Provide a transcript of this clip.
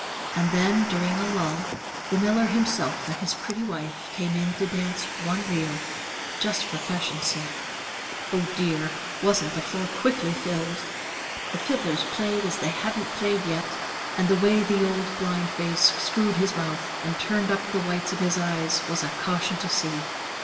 And when, during a lull, the miller himself and his pretty wife came in to dance one reel, just for fashion sake, oh, dear! wasn't the floor quickly filled? The fiddlers played as they hadn't played yet; and the way the old blind bass screwed his mouth, and turned up the whites of his eyes was a caution to see.